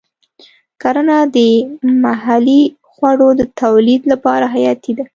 کرنه د محلي خوړو د تولید لپاره حیاتي ده.